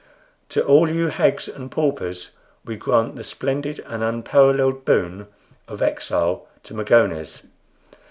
"To all you hags and paupers we grant the splendid and unparalleled boon of exile to Magones.